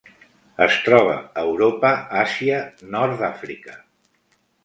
Es troba a Europa, Àsia, nord d'Àfrica.